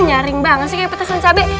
nyaring banget sih kayak petesan cabai